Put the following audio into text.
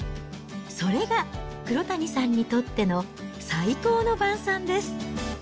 それが黒谷さんにとっての最高の晩餐です。